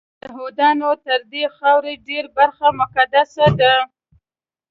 یهودانو ته ددې خاورې ډېره برخه مقدسه ده.